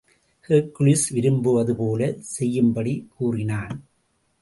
ஹெர்க்குவிஸ் விரும்புவது போலச் செய்யும்படி கூறினான்.